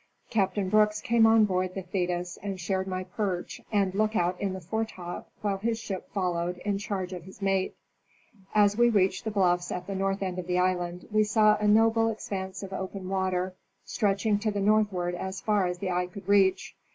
Captain Brooks came on board the Thetis and shared my perch and look out in the foretop, while his ship followed, in charge of his mate. As we reached the bluffs at the north end of the island we saw a noble expanse of open water stretching to the northward as far as the eye could reach.